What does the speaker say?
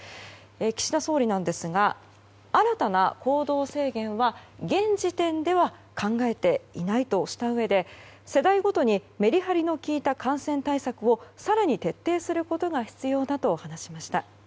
岸田総理、新たな行動制限は現時点では考えていないとしたうえで世代ごとにメリハリの効いた感染対策を更に徹底することが必要だと話しました。